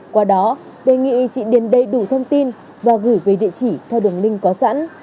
qua đó đề nghị chị điền đầy đủ thông tin và gửi về địa chỉ theo đường link có sẵn